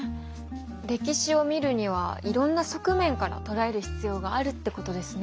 歴史を見るにはいろんな側面から捉える必要があるってことですね。